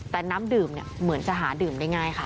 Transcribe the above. แต่น้ำดื่มเนี่ยเหมือนจะหาดื่มได้ง่ายค่ะ